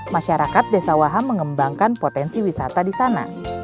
masyarakat desa waham mengembangkan potensi wisata di sana